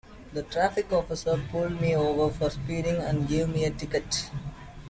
The traffic officer pulled me over for speeding and gave me a ticket.